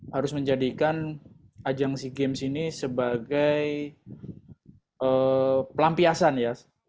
harus menjadikan ajang sea games ini sebagai pelampiasan ya